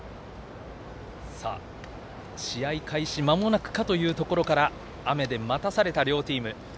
試合開始まもなくかというところから雨で待たされた両チーム。